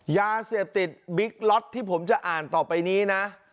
ยาเสพติดบิ๊กล็อตที่ผมจะอ่านต่อไปนี้นะ